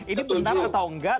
ini benar atau enggak